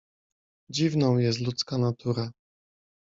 "Dziwną jest ludzka natura."